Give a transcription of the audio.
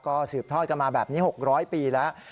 ก็สืบทอดกันมาแบบนี้๖๐๐ปีแล้ว